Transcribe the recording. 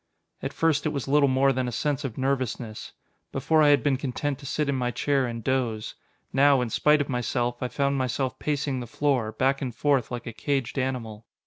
At first it was little more than a sense of nervousness. Before I had been content to sit in my chair and doze. Now, in spite of myself, I found myself pacing the floor, back and forth like a caged animal.